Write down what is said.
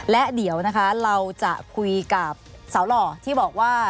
และเดี๋ยวนะคะเราจะคุยกับสาวหล่อที่บอกว่า